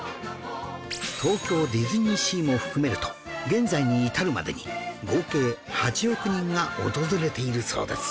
東京ディズニーシーも含めると現在に至るまでに合計８億人が訪れているそうです